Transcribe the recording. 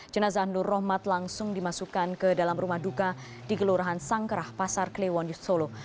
jenazah nur rohmat langsung dimasukkan ke dalam rumah duka di gelurahan sangkerah pasar klewonyut solo